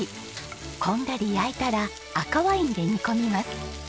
こんがり焼いたら赤ワインで煮込みます。